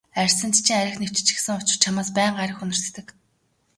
Арьсанд чинь архи нэвччихсэн учир чамаас байнга архи үнэртдэг.